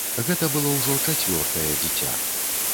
Гэта было ўжо чацвёртае дзіця.